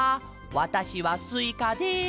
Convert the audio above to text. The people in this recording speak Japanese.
わたしはスイカです」。